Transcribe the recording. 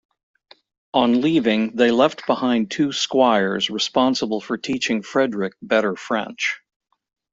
On leaving, they left behind two squires responsible for teaching Frederick better French.